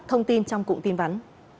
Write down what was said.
thông tin trong cụm tin vắn